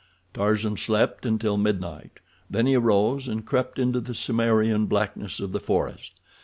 Tarzan slept until midnight, then he arose and crept into the Cimmerian blackness of the forest.